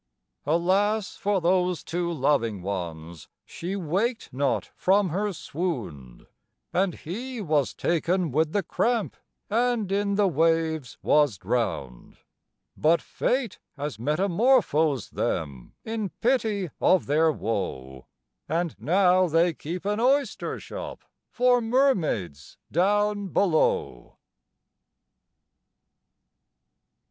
Alas for those two loving ones! she waked not from her swound, And he was taken with the cramp, and in the waves was drowned; But Fate has metamorphosed them, in pity of their woe, And now they keep an oyster shop for mermaids down below.